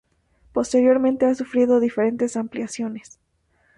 Posteriormente ha sufrido diferentes ampliaciones.